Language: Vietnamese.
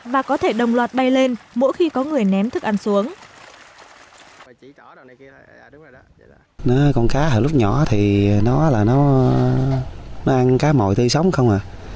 và có thể đồng loạt bay lên mỗi khi có người ném thức ăn xuống